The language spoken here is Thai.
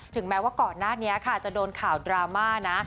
แม้ว่าก่อนหน้านี้ค่ะจะโดนข่าวดราม่านะ